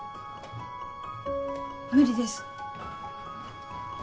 無理です。